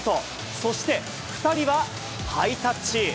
そして、２人はハイタッチ。